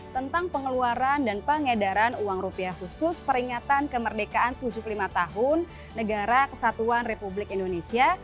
tentang pengeluaran dan pengedaran uang rupiah khusus peringatan kemerdekaan tujuh puluh lima tahun negara kesatuan republik indonesia